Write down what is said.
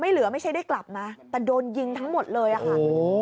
เหลือไม่ใช่ได้กลับนะแต่โดนยิงทั้งหมดเลยอะค่ะ